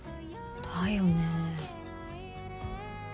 だよね。